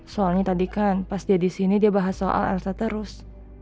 soalnya tadi kan pas dia di sini dia bahas soal elsa terus